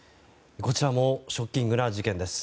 こちらもショッキングな事件です。